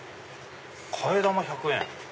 「替玉１００円」。